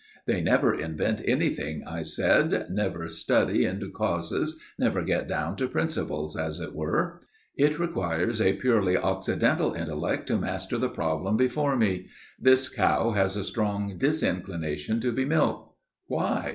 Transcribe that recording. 'They never invent anything,' I said; 'never study into causes, never get down to principles, as it were. It requires a purely occidental intellect to master the problem before me. This cow has a strong disinclination to be milked. Why?